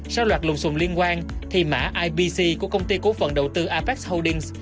sau loạt lùng xùm liên quan thì mã ipc của công ty cổ phần đầu tư apex holdings